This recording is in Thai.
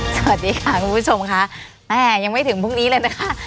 สวัสดีค่ะคุณผู้ชมค่ะแม่ยังไม่ถึงพรุ่งนี้เลยนะคะ